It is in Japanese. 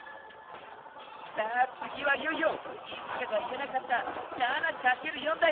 さあつぎはいよいよイチカが言えなかった「７×４」だよ！